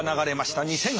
２００８年。